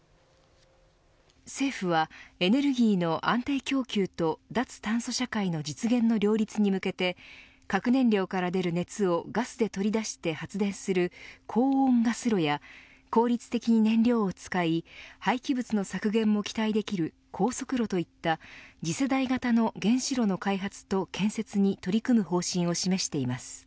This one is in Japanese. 政府はエネルギーの安定供給と脱炭素社会の実現の両立に向けて核燃料から出る熱をガスで取り出して発電する高温ガス炉や効率的に燃料を使い廃棄物の削減も期待できる高速炉といった次世代型の原子炉の開発と建設に取り組む方針を示しています。